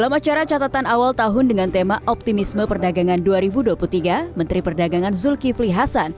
menteri perdagangan zulkifli hasan